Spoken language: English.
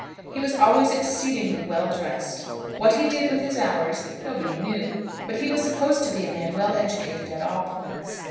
He was always exceedingly well dressed. What he did with his hours nobody knew, but he was supposed to be a man well educated at all points.